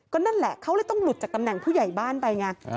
นั่นแหละเขาเลยต้องหลุดจากตำแหน่งผู้ใหญ่บ้านไปไง